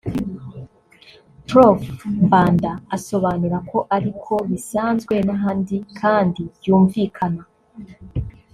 Prof Mbanda asobanura ko ari ko bisanzwe n’ahandi kandi byumvikana